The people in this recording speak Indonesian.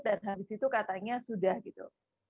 dan habis itu katanya sudah gitu